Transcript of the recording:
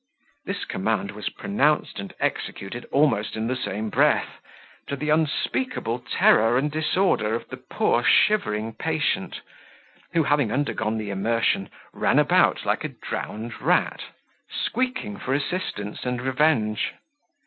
This command was pronounced and executed almost in the same breath, to the unspeakable terror and disorder of the poor shivering patient, who, having undergone the immersion, ran about like a drowned rat, squeaking for assistance and revenge.